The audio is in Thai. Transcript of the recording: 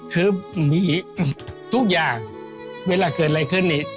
คือมีทุกอย่างเวลาเกิดอะไรขึ้นนี่